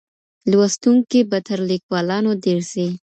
لوستونکي به تر ليکوالانو ډېر سي.